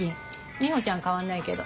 ミホちゃんは変わんないけど。